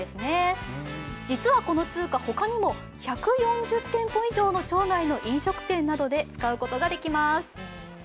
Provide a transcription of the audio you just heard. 実はこの通貨、他にも１４０店舗以上の町内の飲食店などで使うことができます。